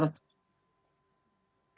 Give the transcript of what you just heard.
bapak sudah mencoba